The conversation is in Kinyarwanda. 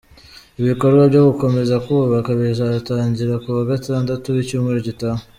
Ibikorwa byo gukomeza kuwubaka bizatangira ku wa Gatandatu w’icyumweru gitaha.